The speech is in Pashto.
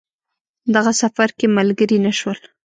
دغه سفر کې ملګري نه شول.